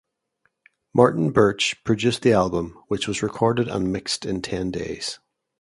Martin Birch produced the album, which was recorded and mixed in ten days.